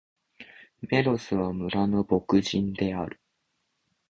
メロスは、村の牧人である。